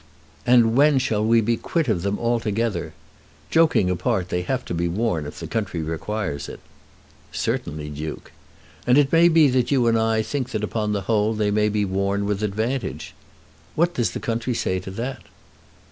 "And when shall we be quit of them altogether? Joking apart, they have to be worn if the country requires it." "Certainly, Duke." "And it may be that you and I think that upon the whole they may be worn with advantage. What does the country say to that?"